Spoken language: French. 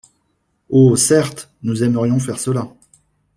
Oh, certes, nous aimerions faire cela.